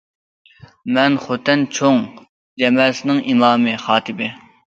مەن خوتەن چوڭ جامەسىنىڭ ئىمامى، خاتىپى.